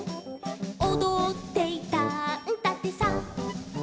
「おどっていたんだってさ」